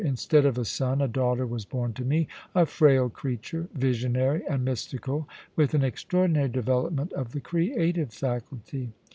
Instead of a son, a daughter was born to me — a frail creature, visionary and mystical, with an extraordinary development of the creative faculty.